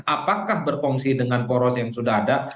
apakah berfungsi dengan poros yang sudah ada